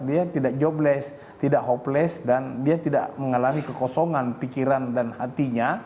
dia tidak jobles tidak hopeless dan dia tidak mengalami kekosongan pikiran dan hatinya